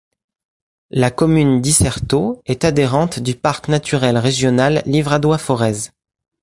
La commune d'Isserteaux est adhérente du parc naturel régional Livradois-Forez.